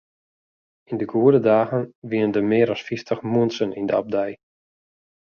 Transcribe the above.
Yn de goede dagen wiene der mear as fyftich muontsen yn de abdij.